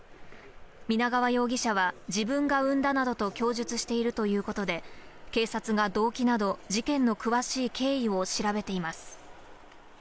皆川容疑者は自分が産んだなどと供述しているということで、警察が動機など事件の詳しい経緯を調べています。